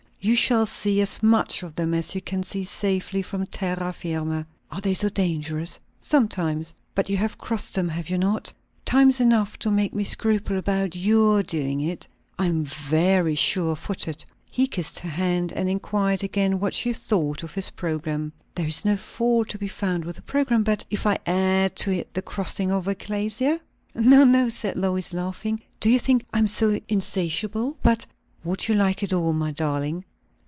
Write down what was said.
"You shall see as much of them as you can see safely from terra firma." "Are they so dangerous?" "Sometimes." "But you have crossed them, have you not?" "Times enough to make me scruple about your doing it." "I am very sure footed." He kissed her hand, and inquired again what she thought of his programme. "There is no fault to be found with the programme. But " "If I add to it the crossing of a glacier?" "No, no," said Lois, laughing; "do you think I am so insatiable? But " "Would you like it all, my darling?"